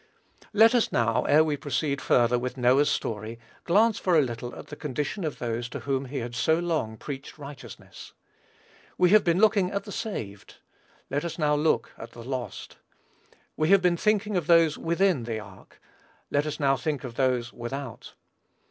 Let us, now, ere we proceed further with Noah's history, glance for a little at the condition of those to whom he had so long preached righteousness. We have been looking at the saved, let us now look at the lost: we have been thinking of those within the ark, let us now think of those without.